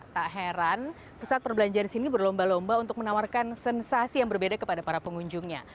tak heran pusat perbelanjaan di sini berlomba lomba untuk menawarkan sensasi yang berbeda kepada para pengunjungnya